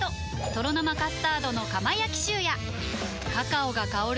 「とろ生カスタードの窯焼きシュー」やカカオが香る！